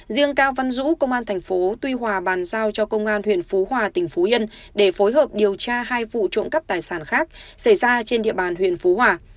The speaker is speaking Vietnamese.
riêng cao văn dũ công an thành phố tuy hòa bàn giao cho công an huyện phú hòa tỉnh phú yên để phối hợp điều tra hai vụ trộm cắp tài sản khác xảy ra trên địa bàn huyện phú hòa